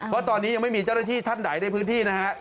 เพราะตอนนี้ยังไม่มีเจ้าหน้าที่ท่านใดในพื้นที่นะฮะ